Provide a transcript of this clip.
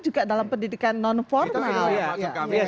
juga dalam pendidikan non formal